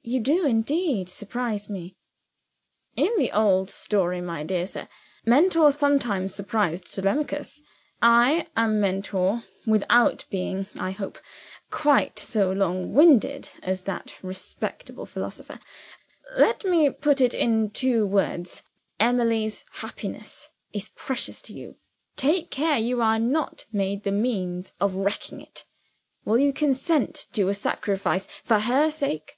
"You do, indeed, surprise me." "In the old story, my dear sir, Mentor sometimes surprised Telemachus. I am Mentor without being, I hope, quite so long winded as that respectable philosopher. Let me put it in two words. Emily's happiness is precious to you. Take care you are not made the means of wrecking it! Will you consent to a sacrifice, for her sake?"